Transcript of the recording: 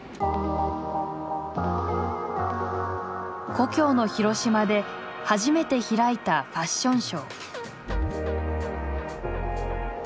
故郷の広島で初めて開いたファッションショー。